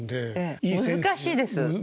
難しいです。